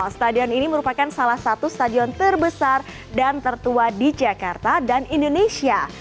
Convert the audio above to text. stadion ini merupakan salah satu stadion terbesar dan tertua di jakarta dan indonesia